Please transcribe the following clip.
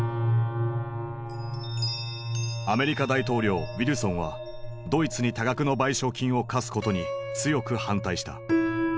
アメリカ大統領ウィルソンはドイツに多額の賠償金を科すことに強く反対した。